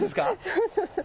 そうそうそう。